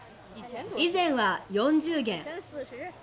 以前は４０元。